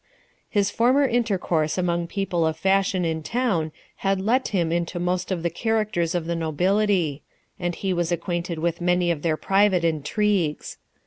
His former intercourse among people of fashion in town had let him into most of the characters of the nobility ; and he was acquainted with many of their private intrigues.